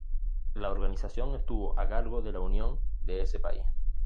La organización estuvo a cargo de la unión de ese país.